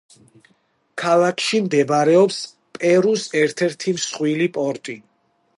ქალაქში მდებარეობს პერუს ერთ–ერთი მსხვილი პორტი.